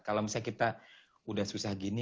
kalau misalnya kita udah susah gini